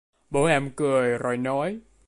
Bố em cười rồi nói